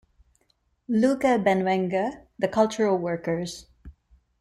Luca Benvenga The cultural workers.